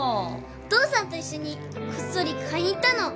お父さんと一緒にこっそり買いに行ったの。